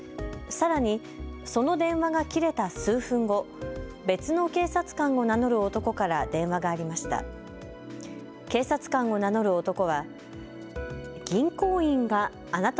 さらにその電話が切れた数分後、別の警察官を名乗る男から電話がありました。